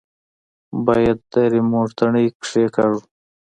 بايد د ريموټ تڼۍ کښېکاږو.